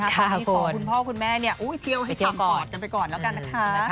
ตอนนี้ขอคุณพ่อคุณแม่เที่ยวให้ชิมปอดกันไปก่อนแล้วกันนะคะ